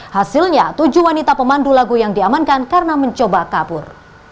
hasilnya tujuh wanita pemandu lagu yang diamankan karena mencoba kabur